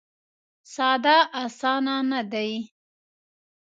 ساده اسانه نه دی.